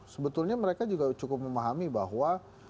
sebetulnya mereka juga cukup memahami bahwa